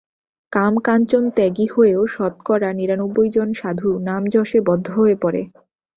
কামকাঞ্চনত্যাগী হয়েও শতকরা নিরানব্বই জন সাধু নাম-যশে বদ্ধ হয়ে পড়ে।